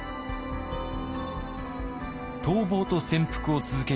逃亡と潜伏を続ける長英。